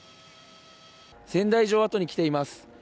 仙台城跡に来ています。